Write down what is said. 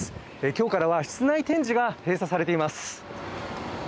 今日からは室内展示が閉鎖されています。